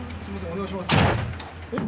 お願いします。